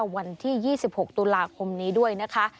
วันที่๒๖ตุลาคมนี้ด้วยนะคะ